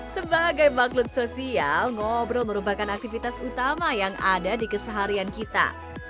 sebagai maklut sosial ngobrol merupakan aktivitas utama yang ada di keseharian kita